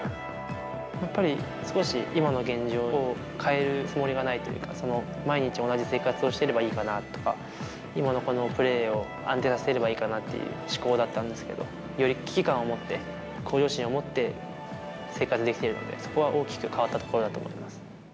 やっぱり、少し、今の現状を変えるつもりはないというか、毎日同じ生活をしてればいいかなとか、今のこのプレーを安定させればいいかなという思考だったんですけど、より危機感を持って、向上心を持って生活できているので、そこは大きく変わったところだと思います。